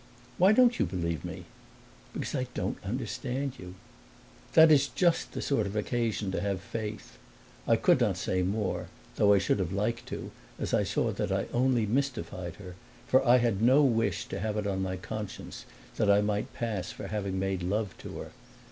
"Why don't you believe me?" "Because I don't understand you." "That is just the sort of occasion to have faith." I could not say more, though I should have liked to, as I saw that I only mystified her; for I had no wish to have it on my conscience that I might pass for having made love to her.